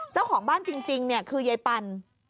เจ้าของบ้านจริงคือยายปัน